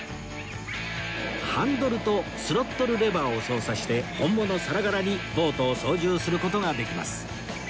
ハンドルとスロットルレバーを操作して本物さながらにボートを操縦する事ができます